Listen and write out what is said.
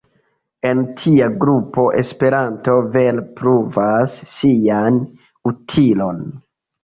En tia grupo Esperanto vere pruvas sian utilon.